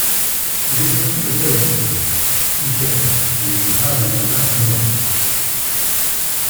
Il est aussi le père d’une fille, Iphianire, qui épousera le devin Mélampous.